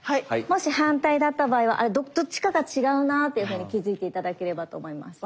もし反対だった場合はあれどっちかが違うなというふうに気付いて頂ければと思います。